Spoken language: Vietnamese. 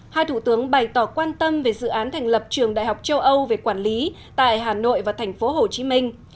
hai thủ tướng bày tỏ quan tâm về dự án thành lập trường đại học châu âu về quản lý tại hà nội và thành phố hồ chí minh